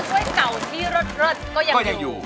ตัวช่วยเก่าที่รสก็ยังอยู่